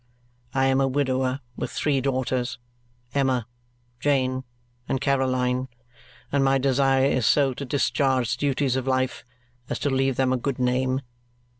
I am a widower with three daughters Emma, Jane, and Caroline and my desire is so to discharge the duties of life as to leave them a good name.